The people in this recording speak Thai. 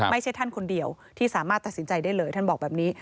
ไม่ใช่ท่านคนเดียวที่สามารถตัดสินใจได้เลยท่านบอกแบบนี้